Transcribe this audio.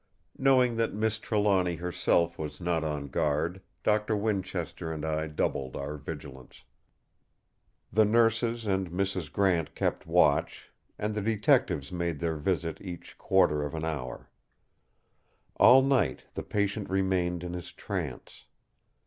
Knowing that Miss Trelawny herself was not on guard, Doctor Winchester and I doubled our vigilance. The Nurses and Mrs. Grant kept watch, and the Detectives made their visit each quarter of an hour. All night the patient remained in his trance.